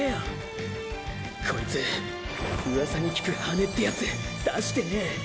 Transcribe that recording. こいつうわさに聞く羽ってやつ出してねえ。